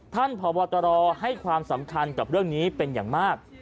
พบตรให้ความสำคัญกับเรื่องนี้เป็นอย่างมาก